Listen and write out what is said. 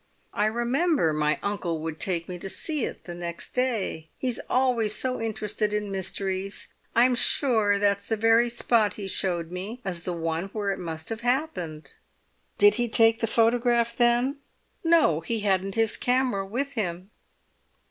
"I remember my uncle would take me to see it next day. He's always so interested in mysteries. I'm sure that's the very spot he showed me as the one where it must have happened." "Did he take the photograph then?" "No; he hadn't his camera with him."